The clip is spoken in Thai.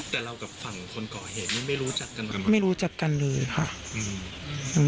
แต่เรากับฝั่งคนก่อเหตุยังไม่รู้จักกันบ้าง